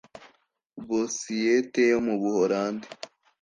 Bosiyete yo mu Buholandi